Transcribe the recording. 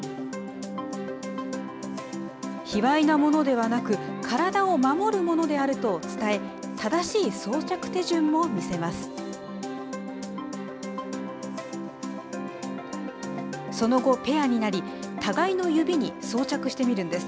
卑わいなものではなく、体を守るものであると伝え、正しい装着手順も見せます。